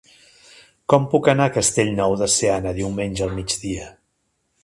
Com puc anar a Castellnou de Seana diumenge al migdia?